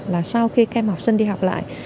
là sau khi các em học sinh đi học lại